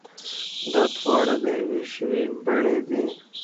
دا دواړه د يوې ژبې بڼې دي.